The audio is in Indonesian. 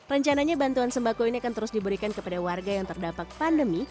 rencananya bantuan sembako ini akan terus diberikan kepada warga yang terdampak pandemi